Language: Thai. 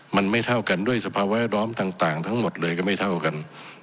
มันไม่เท่ากันด้วยสภาวะร้อมต่างทั้งหมดเลยก็ไม่เท่ากัน